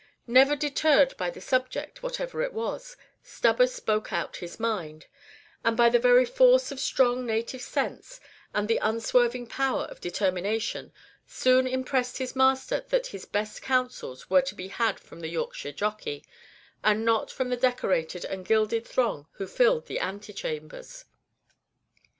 Never deterred by the subject, whatever it was, Stubber spoke out his mind; and by the very force of strong native sense, and an unswerving power of determination, soon impressed his master that his best counsels were to be had from the Yorkshire jockey, and not from the decorated and gilded throng who filled the antechambers.